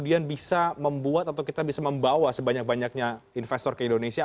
faktor apa yang bisa kita buat atau kita bisa membawa sebanyak banyaknya investor ke indonesia